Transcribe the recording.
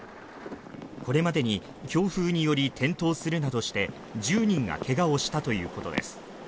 これまでに強風により転倒するなどして１０人がけがをしたということです